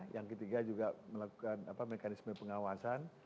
yang ketiga juga melakukan mekanisme pengawasan